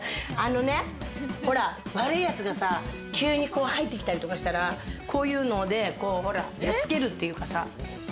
悪いやつが急にこう入ってきたりとかしたら、こういうのでやっつけるというかさ。